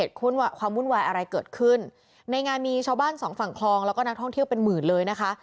ทั้งฝั่งคลองแล้วก็นักท่องเที่ยวเป็นหมื่นเลยนะคะ